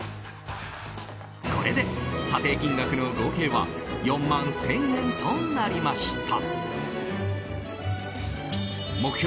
これで査定金額の合計は４万１０００円となりました。